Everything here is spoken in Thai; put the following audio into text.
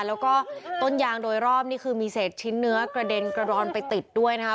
แล้วก็ต้นยางโดยรอบนี่คือมีเศษชิ้นเนื้อกระเด็นกระดอนไปติดด้วยนะคะ